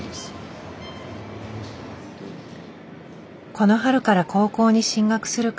この春から高校に進学する彼。